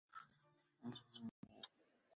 তিন্নি তাঁর সামনের খাটে পা ঝুলিয়ে বসল।